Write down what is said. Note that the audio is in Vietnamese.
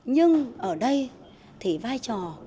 nhưng ở đây thì vai trò là